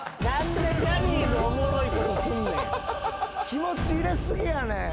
気持ち入れ過ぎやねん。